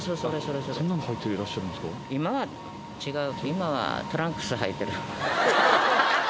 今は違う。